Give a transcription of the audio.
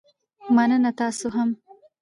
مننه، تاسو هم